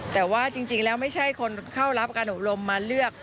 แต่ว่าจริงแล้วไม่ใช่คนเข้ารับการอบรมมาเลือก